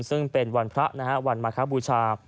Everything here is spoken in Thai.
ซึ่งเป็นวันพระนะฮะวันมาคบูชา